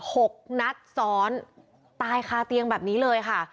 หกนัดซ้อนตายคาเตียงแบบนี้เลยค่ะ